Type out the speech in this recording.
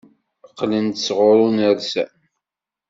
Qqlen-d sɣur unersam.